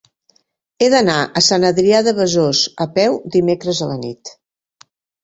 He d'anar a Sant Adrià de Besòs a peu dimecres a la nit.